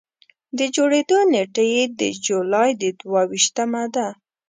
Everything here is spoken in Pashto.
د جوړېدو نېټه یې د جولایي د دوه ویشتمه ده.